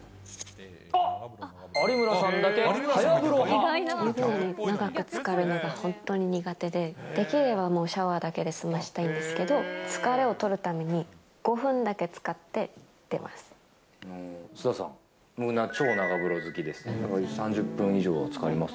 あっ、湯船に長くつかるのが本当に苦手で、できればもう、シャワーだけで済ませたいんですけど、疲れを取るために、５分だけつかって出ます。